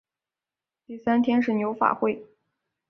第三天是牛法会。